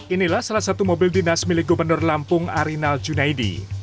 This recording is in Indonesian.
inilah salah satu mobil dinas milik gubernur lampung arinal junaidi